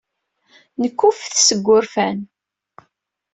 Nekkuffet seg wurfan.